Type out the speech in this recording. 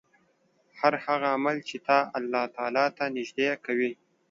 هر هغه عمل چې تا الله تعالی ته نژدې کوي